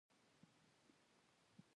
تر ستوني تېر کړ، کېدای شي د کور خاوند.